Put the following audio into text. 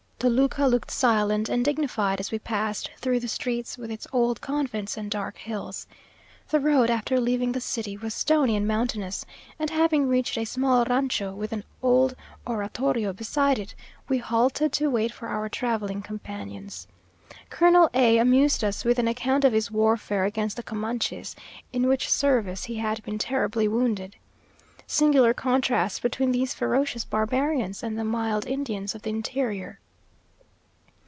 Toluca looked silent and dignified as we passed through the streets with its old convents and dark hills. The road, after leaving the city, was stony and mountainous; and having reached a small rancho with an old oratorio beside it, we halted to wait for our travelling companions. Colonel A amused us with an account of his warfare against the Comanches, in which service he had been terribly wounded. Singular contrast between these ferocious barbarians and the mild Indians of the interior!